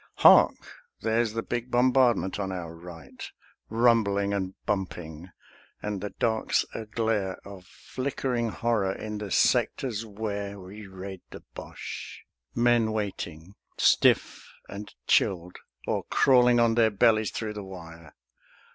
Hark! There's the big bombardment on our right Rumbling and bumping; and the dark's a glare Of flickering horror in the sectors where We raid the Boche; men waiting, stiff and chilled, Or crawling on their bellies through the wire.